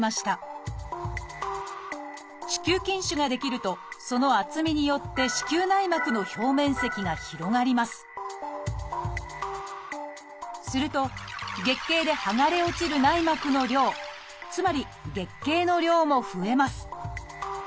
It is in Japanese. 子宮筋腫が出来るとその厚みによって子宮内膜の表面積が広がりますすると月経ではがれ落ちる内膜の量つまり月経の量も増えます。